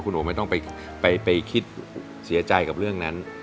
โอไม่ต้องไปคิดเสียใจกับเรื่องนั้น